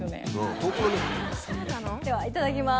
ではいただきます。